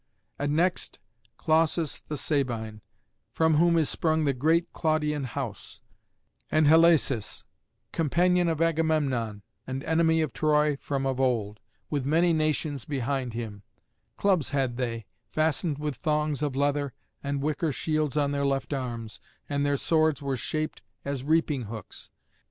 And next Clausus the Sabine, from whom is sprung the great Claudian house; and Halesus, companion of Agamemnon, and enemy of Troy from of old, with many nations behind him; clubs had they, fastened with thongs of leather, and wicker shields on their left arms, and their swords were shaped as reaping hooks.